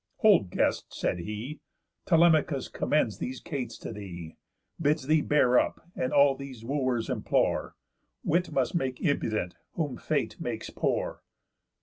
"Hold guest," said he, "Telemachus commends these cates to thee, Bids thee bear up, and all these Wooers implore. _Wit must make impudent whom Fate makes poor."